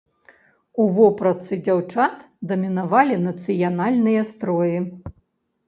У вопратцы дзяўчат дамінавалі нацыянальныя строі.